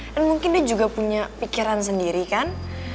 dan mungkin dia juga punya pikiran sendiri kan